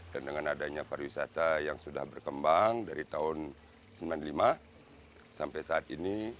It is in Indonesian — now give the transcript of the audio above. dan dengan adanya pariwisata yang sudah berkembang dari tahun seribu sembilan ratus sembilan puluh lima sampai saat ini